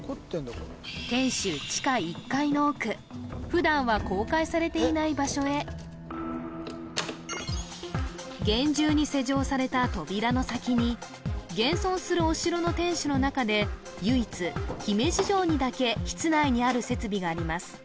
普段は公開されていない場所へ厳重に施錠された扉の先に現存するお城の天守の中で唯一姫路城にだけ室内にある設備があります